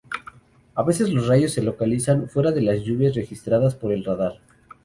A veces los rayos se localizan fuera de las lluvias registradas por el radar.